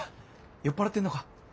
酔っ払ってんのか？